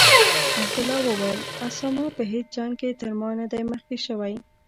عبدالله وویل: اسامه په هیڅ جنګ کې تر ما نه دی مخکې شوی.